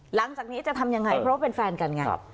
หลังจากนี้จะทำยังไงเพราะว่าเป็นแฟนกันไง